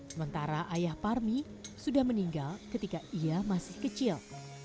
sementara ayah parmi sudah meninggal ketika ia masih kecil